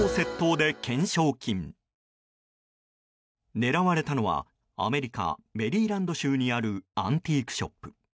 狙われたのはアメリカ・メリーランド州にあるアンティークショップ。